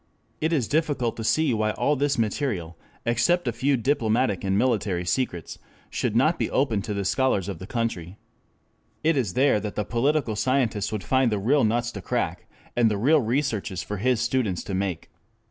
It is difficult to see why all this material, except a few diplomatic and military secrets, should not be open to the scholars of the country. It is there that the political scientist would find the real nuts to crack and the real researches for his students to make.